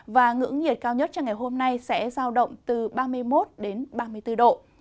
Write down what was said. và ngưỡng nhiệt cao nhất cho ngày hôm nay sẽ giao động từ ba mươi một ba mươi bốn độ